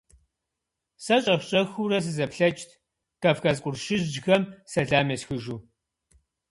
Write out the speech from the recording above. Сэ щӀэх-щӀэхыурэ сызэплъэкӀт, Кавказ къуршыжьхэм сэлам есхыжу.